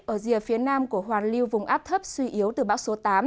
ở rìa phía nam của hoàn lưu vùng áp thấp suy yếu từ bão số tám